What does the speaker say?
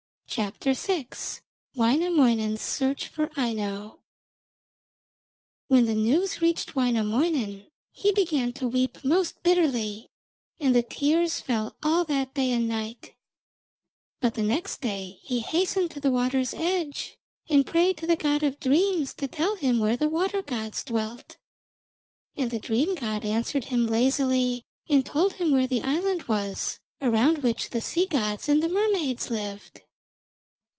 WAINAMOINEN'S SEARCH FOR AINO When the news reached Wainamoinen he began to weep most bitterly, and the tears fell all that day and night; but the next day he hastened to the water's edge and prayed to the god of dreams to tell him where the water gods dwelt. And the dream god answered him lazily, and told him where the island was around which the sea gods and the mermaids lived.